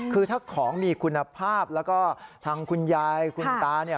คือถ้าของมีคุณภาพแล้วก็ทางคุณยายคุณตาเนี่ย